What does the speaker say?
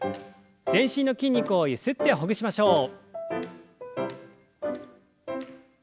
全身の筋肉をゆすってほぐしましょう。